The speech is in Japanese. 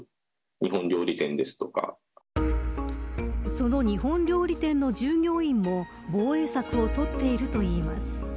その日本料理店の従業員も防衛策を取っているといいます。